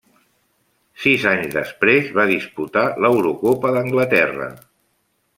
Sis anys després va disputar l'Eurocopa d'Anglaterra.